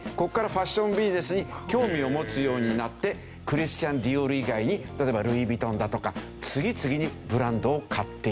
ファッションビジネスに興味を持つようになってクリスチャン・ディオール以外に例えばルイ・ヴィトンだとか次々にブランドを買っていったというわけで。